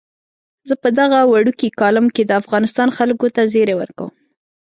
زه په دغه وړوکي کالم کې د افغانستان خلکو ته زیری ورکوم.